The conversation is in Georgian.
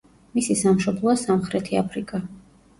მისი სამშობლოა სამხრეთი აფრიკა.